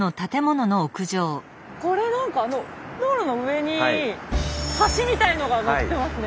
これなんかあの道路の上に橋みたいのがのってますね！